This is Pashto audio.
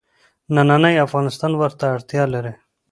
نننی افغانستان ورته اړتیا لري.